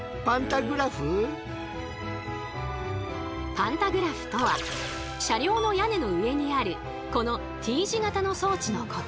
パンタグラフとは車両の屋根の上にあるこのＴ字形の装置のこと。